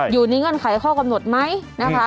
อยู่ในเงินไขข้อกำหนดไหมนะคะ